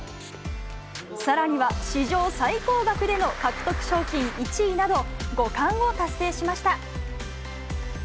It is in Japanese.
さらには、史上最高額での獲得賞金１位など、５冠を達成しました。